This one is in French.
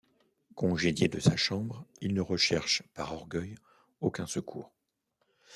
Congédié de sa chambre, il ne recherche, par orgueil, aucun secours.